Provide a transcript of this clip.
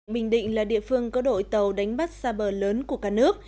bình định là địa phương có đội tàu đánh bắt xa bờ lớn của cả nước